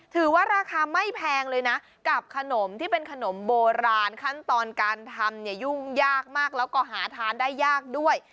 ถือว่าราคาไม่แพงเลยนะกับขนมที่เป็นขนมโบราณขั้นตอนการทำเนี่ยยุ่งยากมากแล้วก็หาทานได้ยากด้วย